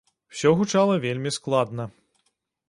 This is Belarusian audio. Усё гучала вельмі складна.